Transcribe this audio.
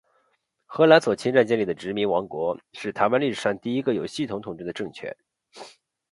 荷兰所侵占建立的殖民王国，是台湾历史上第一个有系统统治的政权。